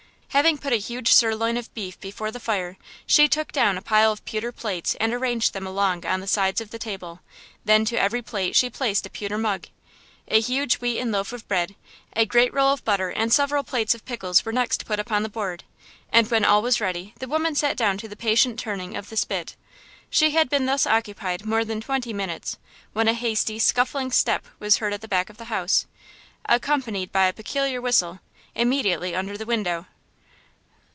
Having put a huge sirloin of beef before the fire, she took down a pile of pewter plates and arranged them along on the sides of the table; then to every plate she placed a pewter mug. A huge wheaten loaf of bread, a great roll of butter and several plates of pickles were next put upon the board, and when all was ready the old woman sat down to the patient turning of the spit. She had been thus occupied more than twenty minutes when a hasty, scuffling step was heard at the back of the house, accompanied by a peculiar whistle, immediately under the window.